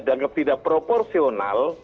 danggap tidak proporsional